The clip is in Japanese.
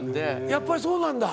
やっぱりそうなんだ。